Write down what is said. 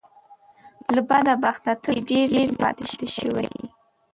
له بده بخته ته ترې ډېر لرې پاتې شوی يې .